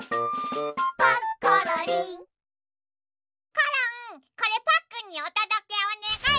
コロンこれパックンにおとどけおねがい。